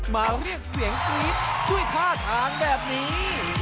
มาเรียกเสียงกรี๊ดด้วยท่าทางแบบนี้